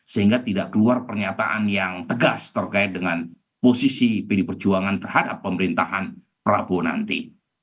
sehingga tidak keluar pernyataan yang tegas terkait dengan posisi pd perjuangan terhadap pemerintahan prabowo nanti